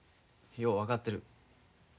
よう分かってる。